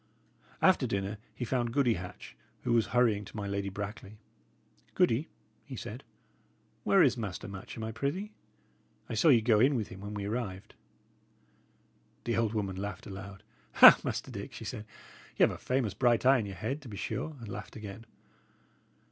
After dinner he found Goody Hatch, who was hurrying to my Lady Brackley. "Goody," he said, "where is Master Matcham, I prithee? I saw ye go in with him when we arrived." The old woman laughed aloud. "Ah, Master Dick," she said, "y' have a famous bright eye in your head, to be sure!" and laughed again.